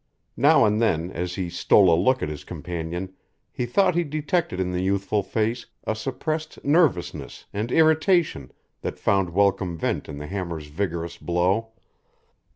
Now and then, as he stole a look at his companion, he thought he detected in the youthful face a suppressed nervousness and irritation that found welcome vent in the hammer's vigorous blow.